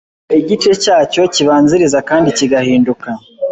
Igice cyacyo kibanziriza kandi kigahinduka